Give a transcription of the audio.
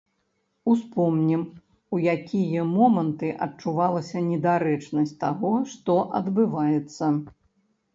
Успомнім, у якія моманты адчувалася недарэчнасць таго, што адбываецца.